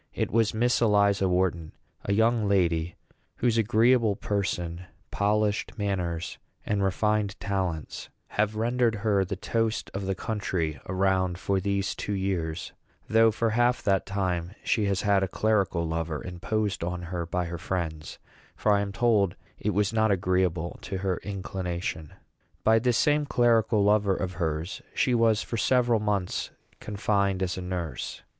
It was Miss Eliza Wharton a young lady whose agreeable person, polished manners, and refined talents have rendered her the toast of the country around for these two years; though for half that time she has had a clerical lover imposed on her by her friends; for I am told it was not agreeable to her inclination. By this same clerical lover of hers she was for several months confined as a nurse.